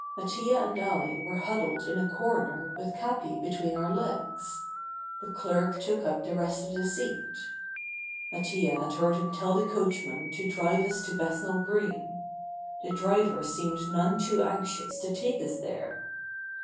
Mattia and I were huddled in a corner with Capi between our legs. The clerk took up the rest of the seat. Mattia had heard him tell the coachman to drive us to Bethnal Green. The driver seemed none too anxious to take us there.